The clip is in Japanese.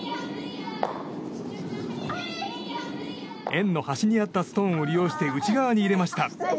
円の端にあったストーンを利用して、内側に入れました。